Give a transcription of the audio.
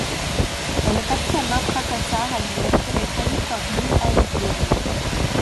Elle est actuellement professeur à l'Université de Californie à Irvine.